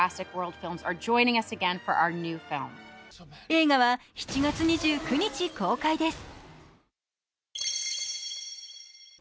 映画は７月２９日、公開です。